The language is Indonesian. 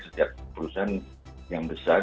setiap perusahaan yang besar